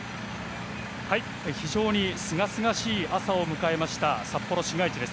非常にすがすがしい朝を迎えました、札幌市街地です。